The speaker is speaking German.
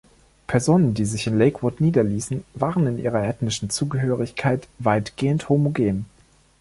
Personen, die sich in Lakewood niederließen, waren in ihrer ethnischen Zugehörigkeit weitgehend homogen.